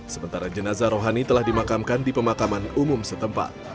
sementara jenazah rohani telah dimakamkan di pemakaman umum setempat